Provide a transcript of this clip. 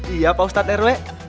iya pak ustadz rw